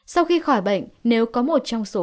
sau khi khỏi bệnh nếu có một trong số